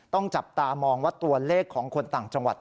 ต้องจับตามองว่าตัวเลขของคนต่างจังหวัด